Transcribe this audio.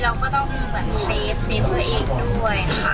เราก็ต้องเซฟตัวเองด้วย